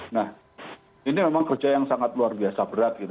nah ini memang kerja yang sangat luar biasa berat gitu